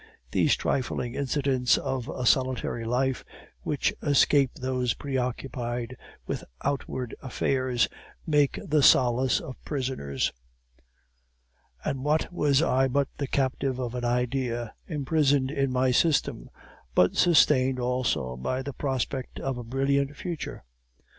These trifling incidents of a solitary life, which escape those preoccupied with outward affairs, make the solace of prisoners. And what was I but the captive of an idea, imprisoned in my system, but sustained also by the prospect of a brilliant future?